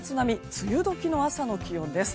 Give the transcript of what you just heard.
梅雨時の朝の気温です。